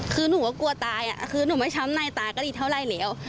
คือหนูก็กลัวตายคือหนูไม่ช้ำในตาก็ดีเท่าไหร่แล้ว